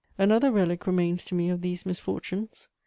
] Another relic remains to me of these misfortunes.